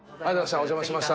お邪魔しました。